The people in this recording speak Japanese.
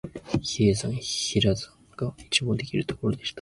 比叡山、比良山が一望できるところでした